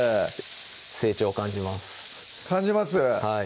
成長を感じます感じます？